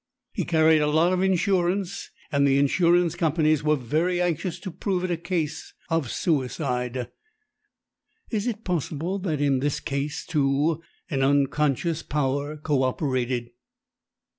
He carried a lot of insurance, and the insurance companies were very anxious to prove it a case of suicide. Is it possible that in this case, too, an 'unconscious power' co operated?"